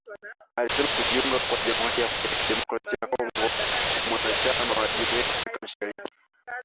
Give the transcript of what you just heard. alisema kujiunga kwa jamuhuri ya kidemokrasia ya Kongo kama mwanachama wa jumuia ya afrika mashariki